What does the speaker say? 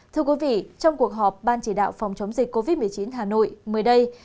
thưa quý vị trong cuộc họp ban chỉ đạo phòng chống dịch covid một mươi chín hà nội mới đây